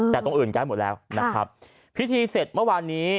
แต่ตรงอื่นใกล้หมดแล้วนะครับพิธีเสร็จเมื่อวานนี้